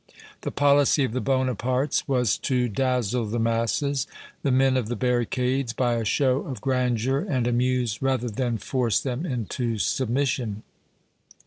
The policy of the Bonapartes was to dazzle the masses, the men of the barricades, by a show of grandeur and amuse rather than force them into submission.